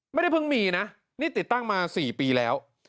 ไม่ได้เพิ่งมีนะนี่ติดตั้งมา๔ปีแล้ว